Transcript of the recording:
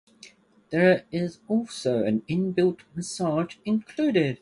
There is also an in-built massage included.